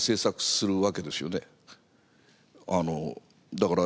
だから。